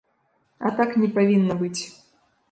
А так не павінна быць.